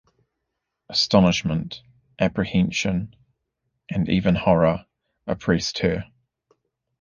Astonishment, apprehension, and even horror, oppressed her.